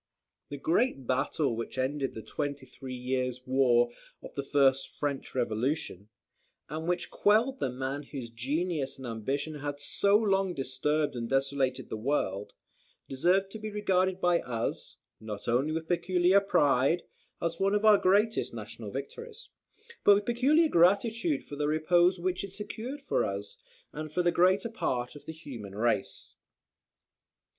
The great battle which ended the twenty three years' war of the first French Revolution, and which quelled the man whose genius and ambition had so long disturbed and desolated the world, deserves to be regarded by us, not only with peculiar pride, as one of our greatest national victories, but with peculiar gratitude for the repose which it secured for us, and for the greater part of the human race.